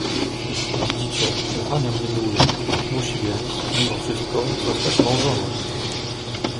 "Widzicie, że Hania mnie miłuje, musi więc, mimo wszystko, zostać mą żoną."